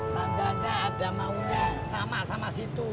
tandanya ada maunya sama sama situ